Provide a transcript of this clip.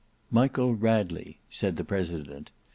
"Michael Radley," said the President.